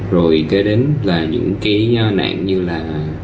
rồi kế đến là những cái nạn như là